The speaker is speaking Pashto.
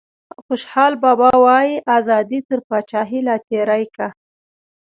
خوشحال بابا وايي ازادي تر پاچاهیه لا تیری کا.